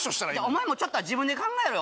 お前もちょっとは自分で考えろよ